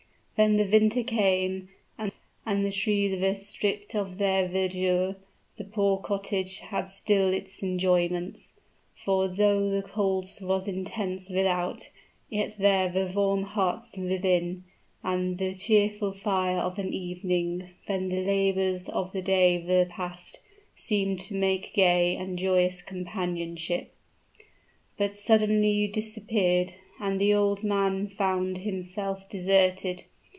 "When the winter came, and the trees were stripped of their verdure, the poor cottage had still its enjoyments; for though the cold was intense without, yet there were warm hearts within; and the cheerful fire of an evening, when the labors of the day were passed, seemed to make gay and joyous companionship. "But suddenly you disappeared; and the old man found himself deserted.